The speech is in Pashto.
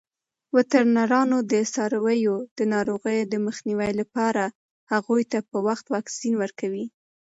وترنران د څارویو د ناروغیو د مخنیوي لپاره هغوی ته په وخت واکسین ورکوي.